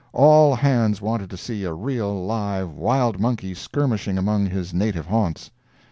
All hands wanted to see a real, live, wild monkey skirmishing among his native haunts.